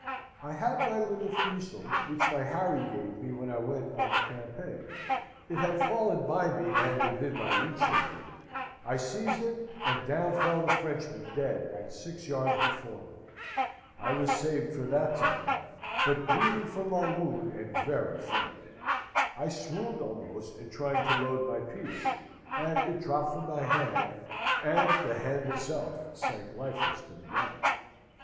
I had my little fusil which my Harry gave me when I went on the campaign; it had fallen by me and within my reach, luckily: I seized it, and down fell the Frenchman dead at six yards before me. I was saved for that time, but bleeding from my wound and very faint. I swooned almost in trying to load my piece, and it dropped from my hand, and the hand itself sank lifeless to the ground.